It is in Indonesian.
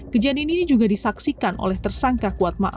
kejadian ini juga disaksikan oleh tersangka kuat maafnya